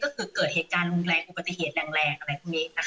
ก็คือเกิดเหตุการณ์รุนแรงอุบัติเหตุแรงอะไรพวกนี้ค่ะ